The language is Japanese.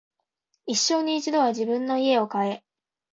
一生に一度は自分の家を買え